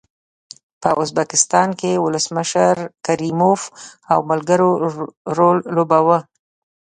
په ازبکستان کې ولسمشر کریموف او ملګرو رول لوباوه.